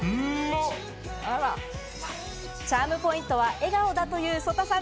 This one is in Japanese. チャームポイントは笑顔だという曽田さん。